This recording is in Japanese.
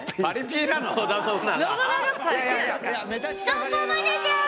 そこまでじゃ！